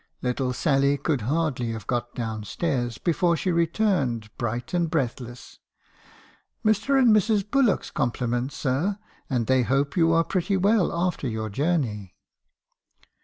"Little Sally could hardly have got down stairs, before she returned, bright and breathless: — a 'Mr. and Mrs. Bullock's compliments, sir; and they hope you are pretty well after your journey.'